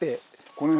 この辺。